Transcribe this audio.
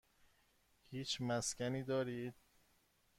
هیچ مسکنی دارید؟